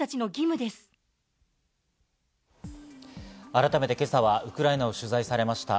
改めて今朝はウクライナを取材されました